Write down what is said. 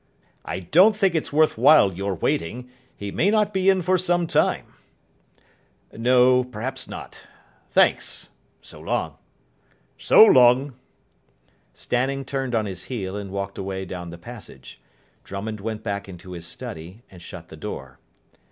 "I don't think it's worth while your waiting. He may not be in for some time." "No, perhaps not. Thanks. So long." "So long." Stanning turned on his heel, and walked away down the passage. Drummond went back into his study, and shut the door.